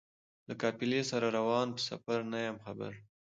له قافلې سره روان په سفر نه یم خبر